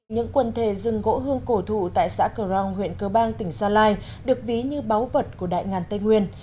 những quần thể rừng gỗ hương cổ thụ tại xã cờ rong huyện cơ bang tỉnh gia lai được ví như báu vật của đại ngàn tây nguyên